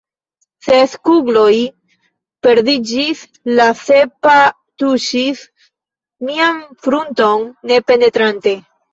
Ses kugloj perdiĝis; la sepa tuŝis mian frunton ne penetrante.